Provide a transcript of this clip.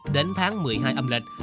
đến tháng một mươi hai âm lịch